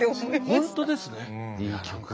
本当ですね。